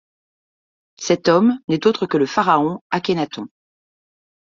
Cet homme n'est autre que le pharaon Akhénaton.